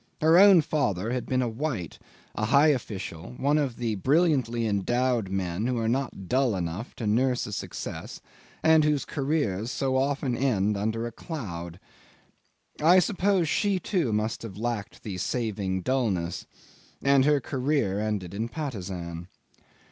Her own father had been a white; a high official; one of the brilliantly endowed men who are not dull enough to nurse a success, and whose careers so often end under a cloud. I suppose she too must have lacked the saving dullness and her career ended in Patusan.